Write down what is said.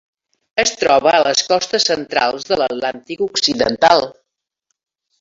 Es troba a les costes centrals de l'Atlàntic Occidental.